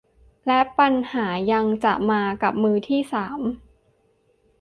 และปัญหายังจะมากับมือที่สาม